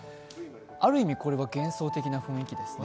ある意味、これは幻想的な雰囲気ですね。